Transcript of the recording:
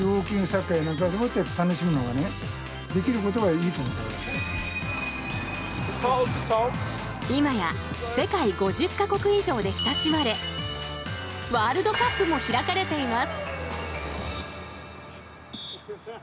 いまや、世界５０か国以上で親しまれワールドカップも開かれています。